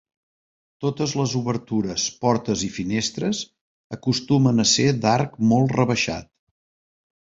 Totes les obertures, portes i finestres, acostumen a ser d'arc molt rebaixat.